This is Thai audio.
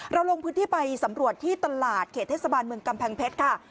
ลงพื้นที่ไปสำรวจที่ตลาดเขตเทศบาลเมืองกำแพงเพชรค่ะ